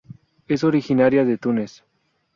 Es originaria de Túnez.